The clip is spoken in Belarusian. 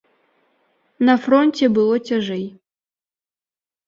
На фронце было цяжэй.